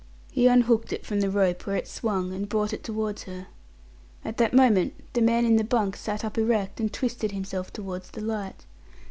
He unhooked it from the rope where it swung, and brought it towards her. At that moment the man in the bunk sat up erect, and twisted himself towards the light.